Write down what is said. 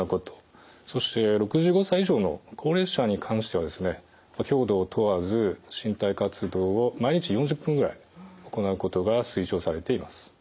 そして６５歳以上の高齢者に関しては強度を問わず身体活動を毎日４０分ぐらい行うことが推奨されています。